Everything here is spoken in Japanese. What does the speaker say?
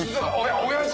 親父！